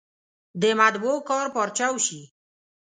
د مطبعو کار پارچاو شي.